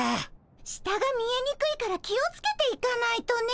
下が見えにくいから気を付けて行かないとね。